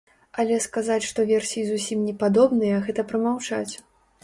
Але сказаць, што версіі зусім непадобныя, гэта прамаўчаць.